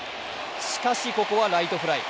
しかし、ここはライトフライ。